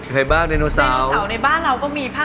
ในบ้านเราก็มีภาคอีสานเยอะใช่มั้ยครับ